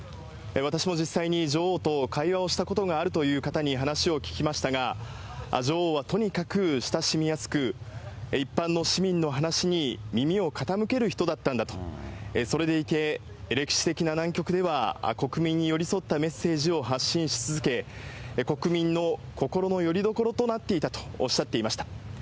私も実際に女王と会話をしたことがあるという方に話を聞きましたが、女王はとにかく親しみやすく、一般の市民の話に耳を傾ける人だったんだと、それでいて、歴史的な難局では、国民に寄り添ったメッセージを発信し続け、国民の心のよりどころとなっていたとおっしゃっていました。